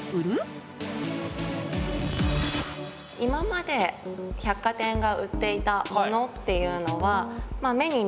今まで百貨店が売っていたものっていうのはまあ目に見えるもの